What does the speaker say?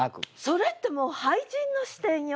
それってもう俳人の視点よ！